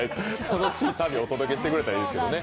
楽しい旅をお届けしてくれたらいいですけどね。